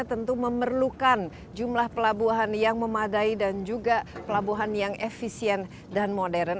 tentu memerlukan jumlah pelabuhan yang memadai dan juga pelabuhan yang efisien dan modern